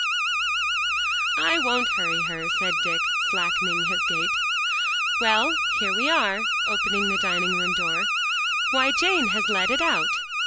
"I won't hurry her," said Dick, slackening his gait. "Well, here we are," opening the dining room door. "Why, Jane has let it out!"